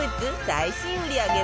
最新売り上げ